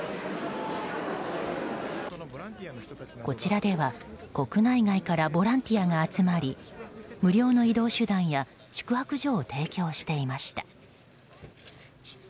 こちらでは国内外からボランティアが集まり無料の移動手段や宿泊所を提供していました。